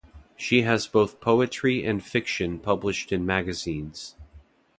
She has both poetry and fiction published in magazines.